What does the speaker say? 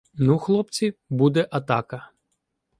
— Ну, хлопці, буде атака.